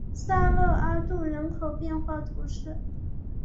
萨勒阿杜人口变化图示